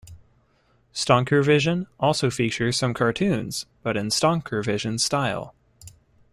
"Stankervision" also features some cartoons, but in "Stankervision" style.